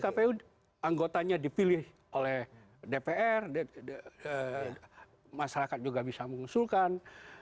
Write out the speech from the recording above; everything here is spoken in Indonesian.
kpu anggotanya dipilih oleh dpr masyarakat juga bisa mengusulkan